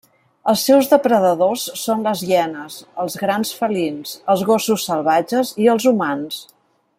Els seus depredadors són les hienes, els grans felins, els gossos salvatges i els humans.